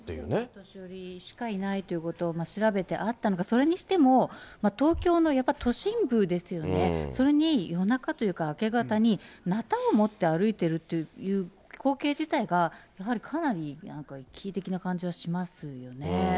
お年寄りしかいないということを調べて、それにしても、東京の都心部ですよね、それに夜中というか、明け方になたを持って歩いているという光景自体が、やはりかなり、奇異的な感じはしますよね。